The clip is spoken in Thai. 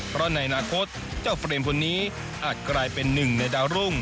เพราะในอนาคตเจ้าเฟรมคนนี้อาจกลายเป็นหนึ่งในดาวรุ่ง